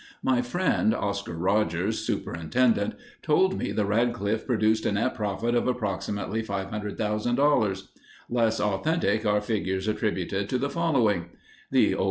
My friend, Oscar Rogers, superintendent, told me the Radcliffe produced a net profit of approximately $500,000. Less authentic are figures attributed to the following: The O.